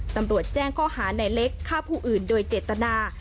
ตำรวจแจ้งข้อหาในเล็กฆ่าผู้อื่นโดยเจตนา